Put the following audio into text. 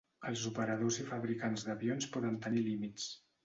Els operadors i fabricants d'avions poden tenir límits.